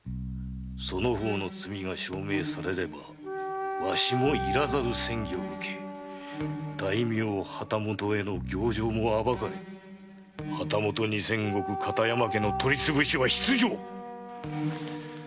その方の罪が証明されればわしもいらざる詮議を受け大名旗本への行状も暴かれ旗本・片山家の取り潰しは必定！